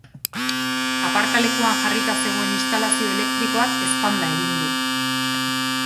Aparkalekuan jarrita zegoen instalazio elektrikoak eztanda egin du.